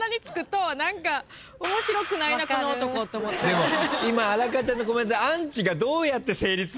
でも今荒川ちゃんのコメント。